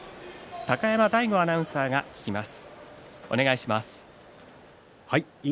高山アナウンサーが聞きます。